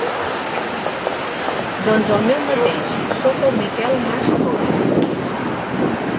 Doncs el meu mateix, soc el Miquel Mas Tur.